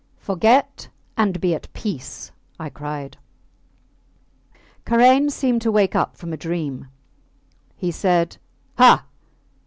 Forget, and be at peace! I cried. Karain seemed to wake up from a dream. He said, Ha!